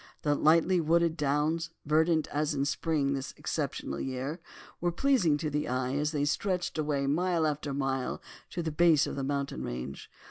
The lightly wooded downs, verdant as in spring in this exceptional year, were pleasing to the eye as they stretched away mile after mile to the base of the mountain range.